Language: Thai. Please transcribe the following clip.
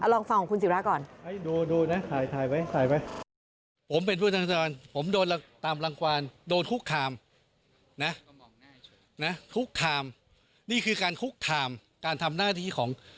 ลองฟังของคุณศิราก่อน